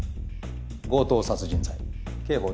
強盗殺人罪刑法